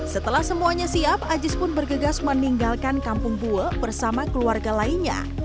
setelah semuanya siap aziz pun bergegas meninggalkan kampung bue bersama keluarga lainnya